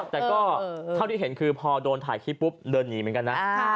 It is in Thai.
แต่ก็เท่าที่เห็นคือพอโดนถ่ายคลิปปุ๊บเดินหนีเหมือนกันนะ